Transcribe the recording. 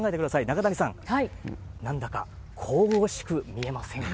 中谷さん、なんだか神々しく見えませんか？